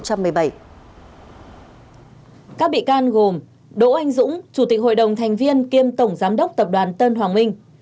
các bị can gồm đỗ anh dũng chủ tịch hội đồng thành viên kiêm tổng giám đốc tập đoàn tân hoàng minh